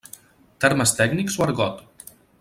Termes tècnics o argot?